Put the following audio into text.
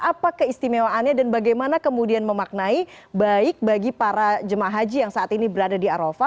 apa keistimewaannya dan bagaimana kemudian memaknai baik bagi para jemaah haji yang saat ini berada di arafah